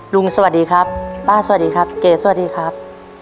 สวัสดีครับป้าสวัสดีครับเก๋สวัสดีครับ